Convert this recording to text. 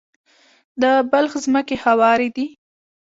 د بلخ ځمکې هوارې دي